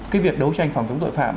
cái việc đấu tranh phòng chống tội phạm